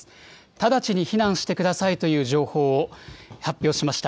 直ちに避難してくださいという情報を発表しました。